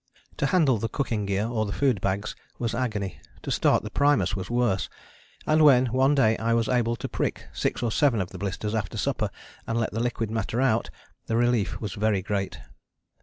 To handle the cooking gear or the food bags was agony; to start the primus was worse; and when, one day, I was able to prick six or seven of the blisters after supper and let the liquid matter out, the relief was very great.